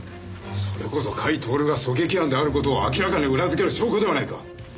それこそ甲斐享が狙撃犯である事を明らかに裏付ける証拠ではないか。